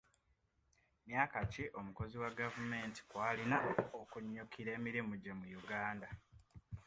Myaka ki omukozi wa gavumenti kw'alina okunyukkira emirimu gye mu Uganda?